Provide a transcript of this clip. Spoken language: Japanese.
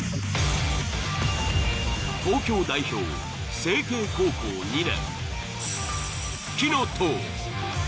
東京代表成蹊高校２年。